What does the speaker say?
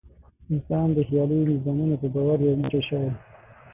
انسان د خیالي نظامونو په باور یو موټی شوی.